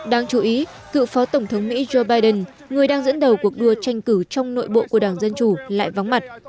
đáng chú ý cựu phó tổng thống mỹ joe biden người đang dẫn đầu cuộc đua tranh cử trong nội bộ của đảng dân chủ lại vắng mặt